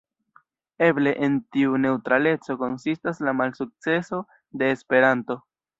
Eble en tiu neŭtraleco konsistas la malsukceso de Esperanto.